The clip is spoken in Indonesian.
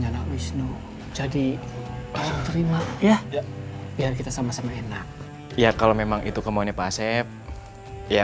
anak wisnu jadi terima ya biar kita sama sama enak ya kalau memang itu kemone pak asep ya